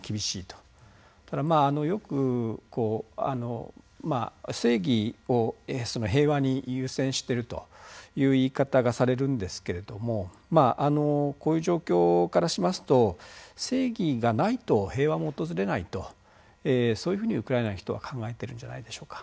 ただまあよくこう正義を平和に優先しているという言い方がされるんですけれどもまああのこういう状況からしますと正義がないと平和も訪れないとそういうふうにウクライナの人は考えてるんじゃないでしょうか。